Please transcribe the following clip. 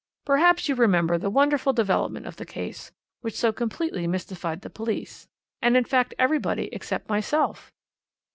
"Perhaps you remember the wonderful development of the case, which so completely mystified the police and in fact everybody except myself.